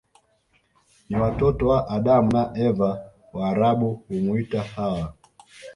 Ni watoto wa Adamu na Eva Waarabu humuita Hawa